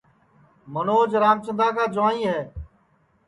منوج رامچندا کا جُوائیں ہے